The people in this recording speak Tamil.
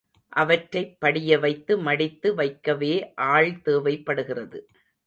அவற்றைப் படியவைத்து மடித்து வைக்கவே ஆள் தேவைப்படுகிறது.